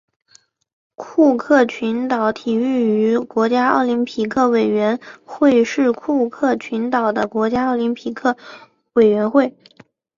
库克群岛体育与国家奥林匹克委员会是库克群岛的国家奥林匹克委员会。